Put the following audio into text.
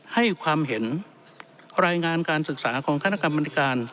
ให้ความเห็นรายงานการศึกษาของคณะกรรมนิการ